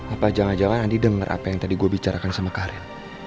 apa jangan jangan andi denger apa yang tadi gue bicarakan sama karin